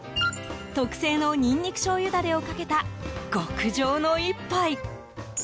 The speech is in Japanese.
特製のニンニクしょうゆダレをかけた、極上の一杯。